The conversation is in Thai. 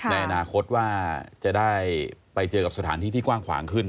ในอนาคตว่าจะได้ไปเจอกับสถานที่ที่กว้างขวางขึ้น